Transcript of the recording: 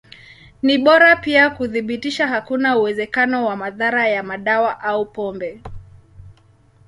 Ni bora pia kuthibitisha hakuna uwezekano wa madhara ya madawa au pombe.